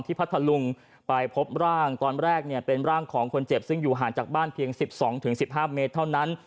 พัทธลุงไปพบร่างตอนแรกเนี่ยเป็นร่างของคนเจ็บซึ่งอยู่ห่างจากบ้านเพียง๑๒๑๕เมตรเท่านั้น